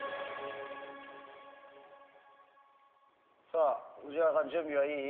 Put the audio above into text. さあ藤原さん準備はいい？